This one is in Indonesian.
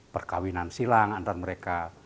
perkawinan silang antara mereka